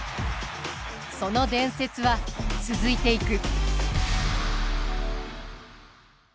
その伝説は続いていく。